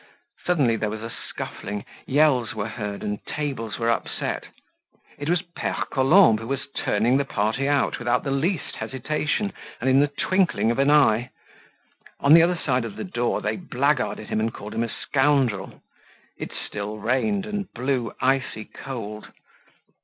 Suddenly there was a scuffling, yells were heard and tables were upset. It was Pere Colombe who was turning the party out without the least hesitation, and in the twinkling of an eye. On the other side of the door they blackguarded him and called him a scoundrel. It still rained and blew icy cold.